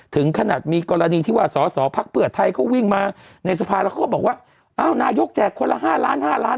ถึงขนาดมีกรณีที่ว่าสอสอพักเพื่อไทยเขาวิ่งมาในสภาแล้วเขาก็บอกว่าอ้าวนายกแจกคนละ๕ล้าน๕ล้าน